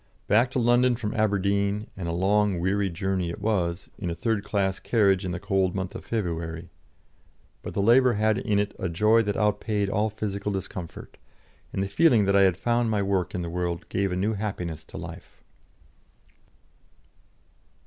Back to London from Aberdeen, and a long, weary journey it was, in a third class carriage in the cold month of February; but the labour had in it a joy that outpaid all physical discomfort, and the feeling that I had found my work in the world gave a new happiness to life.